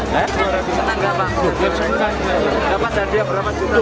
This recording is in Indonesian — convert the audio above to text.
dapat hadiah berapa